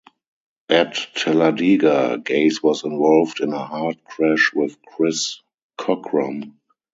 At Talladega, Gase was involved in a hard crash with Chris Cockrum.